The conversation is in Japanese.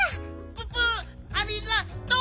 ププありがと！